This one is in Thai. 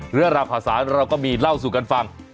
เรื่องราวข่าวสารเราก็มีเล่าสู่กันฟัง